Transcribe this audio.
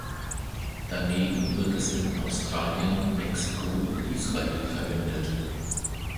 Daneben wird es in Australien, Mexiko und Israel verwendet.